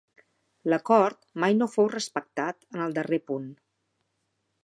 L'acord mai no fou respectat en el darrer punt.